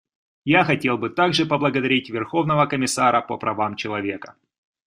Я хотел бы также поблагодарить Верховного комиссара по правам человека.